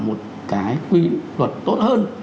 một cái quy luật tốt hơn